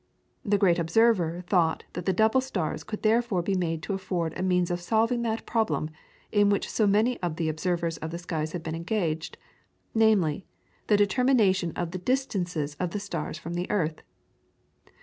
The great observer thought that the double stars could therefore be made to afford a means of solving that problem in which so many of the observers of the skies had been engaged, namely, the determination of the distances of the stars from the earth.